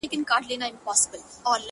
o ستـا د سونډو رنگ.